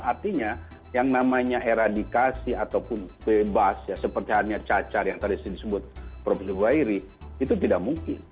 artinya yang namanya eradikasi ataupun bebas ya seperti hanya cacar yang tadi sudah disebut profil buairi itu tidak mungkin